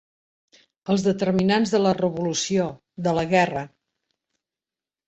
Els determinants de la revolució, de la guerra.